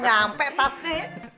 nggak nyampe tasnya